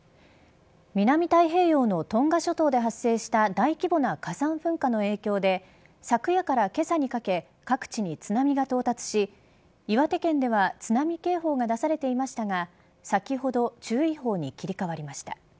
南太平洋のトンガ諸島で発生した大規模な火山噴火の影響で昨夜からけさにかけ、各地に津波が到達し、岩手県では津波警報が出されていましたが先ほど注意報に切り替わりました。